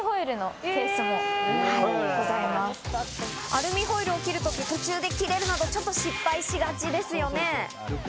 アルミホイルを切る時、途中で切れるなど、ちょっと失敗しがちですよね。